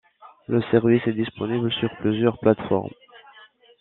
Le service est disponible sur plusieurs plates-formes.